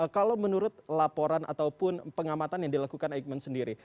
kalau menurut laporan ataupun pengamatan yang dilakukan eijkman sendiri